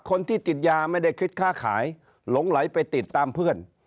คนที่ติดยาไม่ได้คิดค่าขายหลงไหลไปติดตามเพื่อน